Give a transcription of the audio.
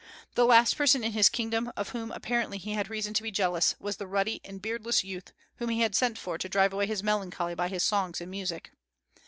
The last person in his kingdom of whom apparently he had reason to be jealous, was the ruddy and beardless youth whom he had sent for to drive away his melancholy by his songs and music.